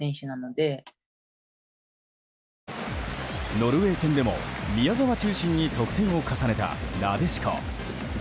ノルウェー戦でも、宮澤中心に得点を重ねたなでしこ。